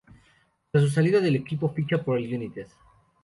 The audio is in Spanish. Tras su salida del equipo ficha por el "United".